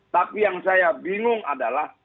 tapi yang saya bingung adalah